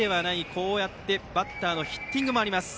こうやってバッターのヒッティングもあります。